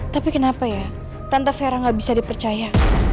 tapi kenapa ya tante vera gak bisa dipercaya